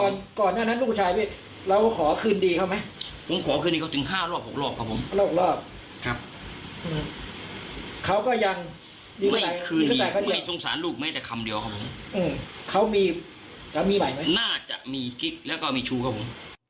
น่าจะมีกิ๊กแล้วก็มีชู้ครับผม